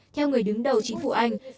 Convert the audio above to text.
theo người đứng đầu chính phủ anh